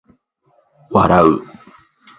笑う